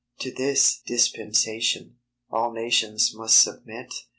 To this dispensation, all nations must submit.